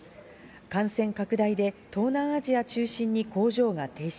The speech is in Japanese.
感染拡大で東南アジア中心に工場が停止。